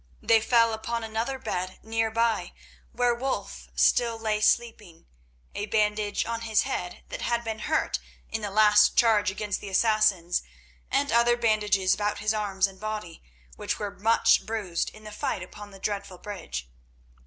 They fell upon another bed near by where Wulf still lay sleeping, a bandage on his head that had been hurt in the last charge against the Assassins, and other bandages about his arms and body, which were much bruised in the fight upon the dreadful bridge.